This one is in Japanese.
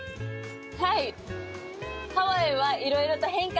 はい。